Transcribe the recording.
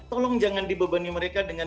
tolong jangan dibebani mereka dengan